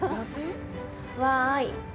ワーイ。